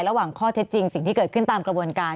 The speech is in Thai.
ระหว่างข้อเท็จจริงสิ่งที่เกิดขึ้นตามกระบวนการ